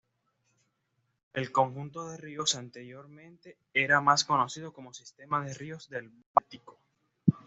El conjunto de ríos anteriormente era más conocido como 'Sistema de Ríos del Báltico'.